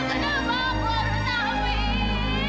kenapa semuanya harus terjadi